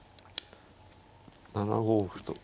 ７五歩と。